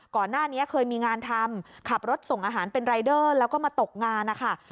ก่อนหน้านี้เคยมีงานทำขับรถส่งอาหารเป็นรายเดอร์แล้วก็มาตกงานนะคะ